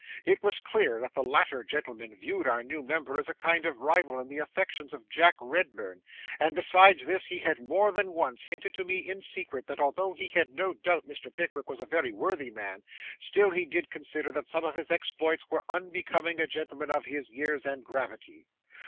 It was clear that the latter gentleman viewed our new member as a kind of rival in the affections of Jack Redburn, and besides this, he had more than once hinted to me, in secret, that although he had no doubt Mr. Pickwick was a very worthy man, still he did consider that some of his exploits were unbecoming a gentleman of his years and gravity.